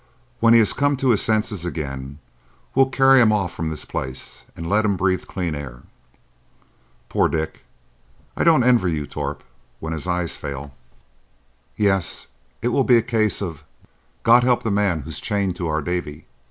When he has come to his senses again we'll carry him off from this place and let him breathe clean air. Poor Dick! I don't envy you, Torp, when his eyes fail." "Yes, it will be a case of "God help the man who's chained to our Davie."